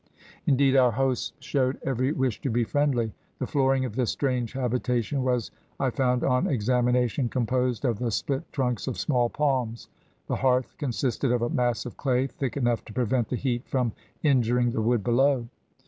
Indeed, our hosts showed every wish to be friendly. The flooring of this strange habitation was, I found on examination, composed of the split trunks of small palms; the hearth consisted of a mass of clay thick enough to prevent the heat from injuring the wood below.